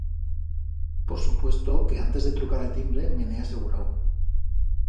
Per supuesto que antes de trucar a'l timbre me'n he asegurau.